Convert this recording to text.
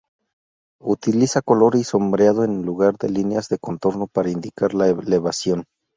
Utiliza color y sombreado en lugar de líneas de contorno para indicar la elevación.